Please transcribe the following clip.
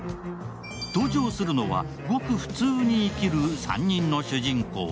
登場するのは、ごく普通に生きる３人の主人公。